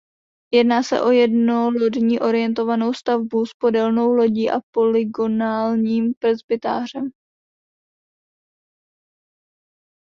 Jedná se o jednolodní orientovanou stavbu s podélnou lodí a polygonálním presbytářem.